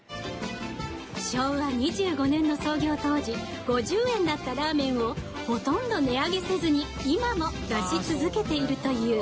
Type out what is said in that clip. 昭和２５年の創業当時５０円だったラーメンをほとんど値上げせずに今も出し続けているという。